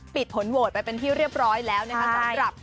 ปิดผลโหวตไปเป็นที่เรียบร้อยแล้วนะคะใช่